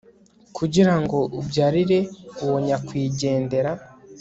kugira ngo ubyarire uwo nyakwigendera